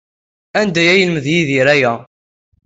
Anda ay yelmed Yidir aya?